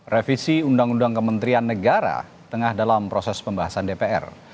revisi undang undang kementerian negara tengah dalam proses pembahasan dpr